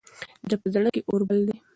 د ده په زړه کې اور بل دی.